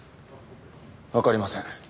わかりません。